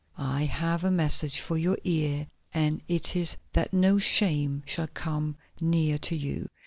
I have a message for your ear, and it is that no shame shall come near to you.